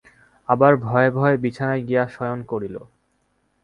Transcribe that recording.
আবার ভয়ে ভয়ে বিছানায় গিয়া শয়ন করিল।